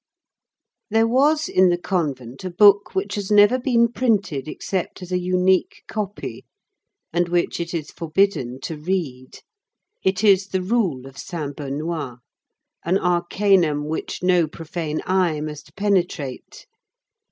There was in the convent a book which has never been printed except as a unique copy, and which it is forbidden to read. It is the rule of Saint Benoît. An arcanum which no profane eye must penetrate.